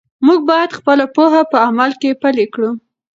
موږ باید خپله پوهه په عمل کې پلی کړو.